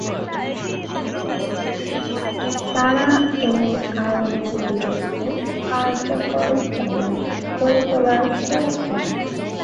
তারা এ আইনের বিরুদ্ধে কার্যকর জনমত গড়ে তোলার প্রয়াস নেন।